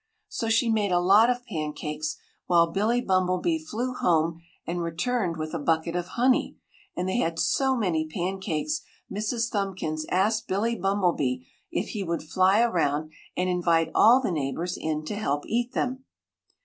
So she made a lot of pancakes, while Billy Bumblebee flew home and returned with a bucket of honey, and they had so many pancakes Mrs. Thumbkins asked Billy Bumblebee if he would fly around and invite all the neighbors in to help eat them.